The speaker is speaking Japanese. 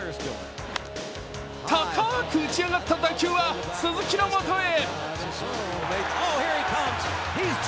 高く打ち上がった打球は鈴木のもとへ。